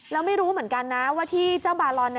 แล้วไม่รู้เหมือนกันนะว่าที่เจ้าบาลอน